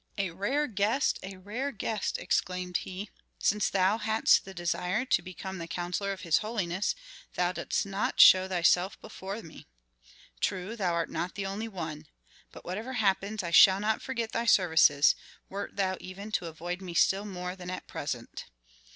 "A rare guest a rare guest!" exclaimed he. "Since thou hadst the desire to become the counsellor of his holiness thou dost not show thyself before me. True, thou art not the only one! But whatever happens, I shall not forget thy services, wert thou even to avoid me still more than at present."